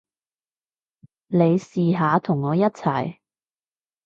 你試下同我一齊